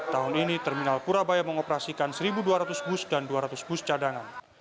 tahun ini terminal purabaya mengoperasikan satu dua ratus bus dan dua ratus bus cadangan